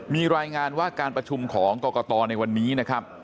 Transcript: มีรายงานว่าการประชุมของกรกตในวันนี้นะครับ